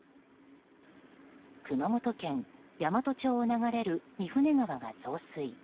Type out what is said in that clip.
熊本県山都町を流れる御船川が増水。